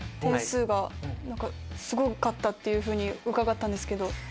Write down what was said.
すごかったっていうふうに伺ったんですけど。